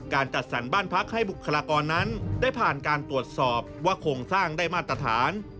จัดสรรบ้านพักให้บุคลากรนั้นได้ผ่านการตรวจสอบว่าโครงสร้างได้มาตรฐาน